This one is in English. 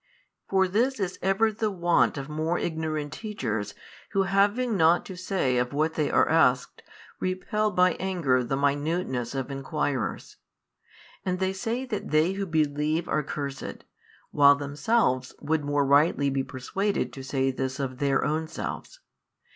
For this is ever the wont of more ignorant teachers who having nought to say of what they are asked, repel by anger the minuteness of enquirers. And they say that they who believe are cursed, while themselves would more rightly be persuaded to say this of their own selves.